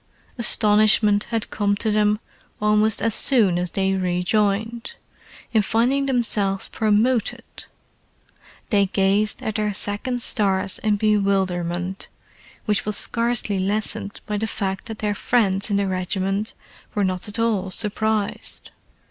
Astonishment had come to them almost as soon as they rejoined, in finding themselves promoted; they gazed at their second stars in bewilderment which was scarcely lessened by the fact that their friends in the regiment were not at all surprised.